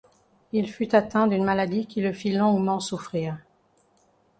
Il fut atteint d'une maladie qui le fit longuement souffrir.